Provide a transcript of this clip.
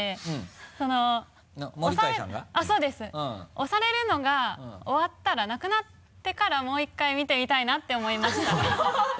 推されるのが終わったらなくなってからもう１回見てみたいなって思いました。